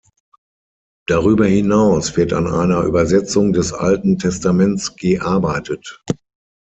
Darüber hinaus wird an einer Übersetzung des Alten Testaments gearbeitet.